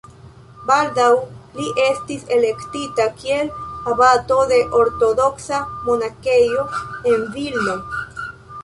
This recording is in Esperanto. Baldaŭ li estis elektita kiel abato de ortodoksa monakejo en Vilno.